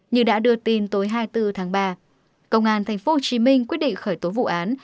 như đã đưa tin tối hai mươi bốn tháng ba công an tp hcm quyết định khởi tố vụ án